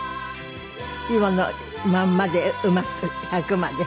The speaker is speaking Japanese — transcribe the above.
今のまんまでうまく１００まで。